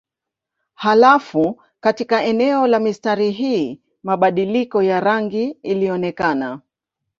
Halafu katika eneo la mistari hii mabadiliko ya rangi ilionekana.